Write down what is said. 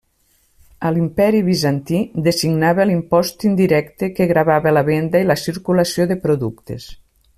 A l'imperi Bizantí designava l'impost indirecte que gravava la venda i la circulació de productes.